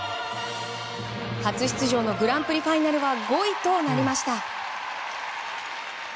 初出場のグランプリファイナルは５位となりました。